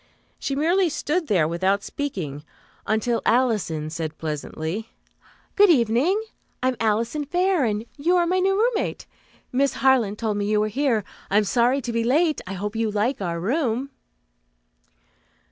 She merely stood there without speaking, until Alison said pleasantly, "Good evening. I am Alison Fair, and you are my new roommate. Miss Harland told me you were here. I'm sorry to be late. I hope you like our room."